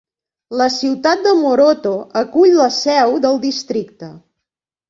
La ciutat de Moroto acull la seu del districte.